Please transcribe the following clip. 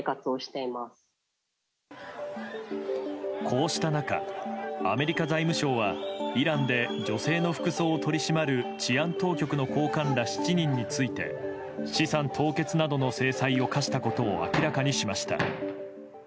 こうした中、アメリカ財務省はイランで女性の服装を取り締まる治安当局の高官ら７人について資産凍結などの制裁を科したことを明らかにしました。